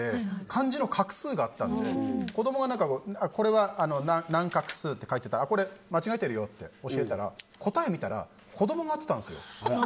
漢字の画数があったので、子供がこれは何画って書いてたら間違えてるよって教えたら答えを見たら子供が合ってたんですよ。